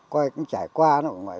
quay cũng trải qua nó